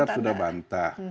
qatar sudah bantah